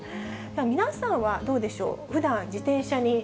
皆さんはどうでしょう。